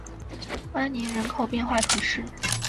阿年人口变化图示